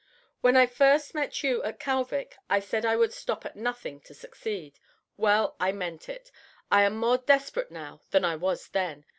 "When I first met you in Kalvik, I said I would stop at nothing to succeed. Well, I meant it. I am more desperate now than I was then.